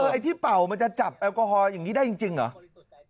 ไอ้ที่เป่ามันจะจับแอลกอฮอลอย่างนี้ได้จริงเหรอ